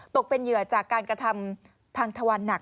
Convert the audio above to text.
ตกเป็นเหยื่อจากการกระทำพังทวันหนัก